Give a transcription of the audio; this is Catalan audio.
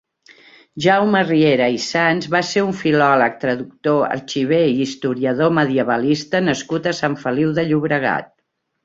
Jaume Riera i Sans va ser un filòleg, traductor, arxiver i historiador medievalista nascut a Sant Feliu de Llobregat.